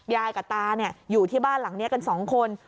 ยายกับตาเนี่ยอยู่ที่บ้านหลังนี้กันสองคน